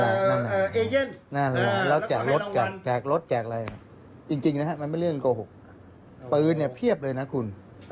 นั่นแหละแล้วแจกรถแจกรถแจกอะไรจริงนะฮะมันเป็นเรื่องโกหกปืนเนี่ยเพียบเลยนะคุณ